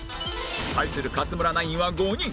対する勝村ナインは５人